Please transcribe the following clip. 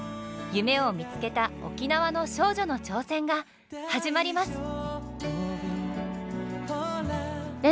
夢を見つけた沖縄の少女の挑戦が始まります！